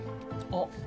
あっ。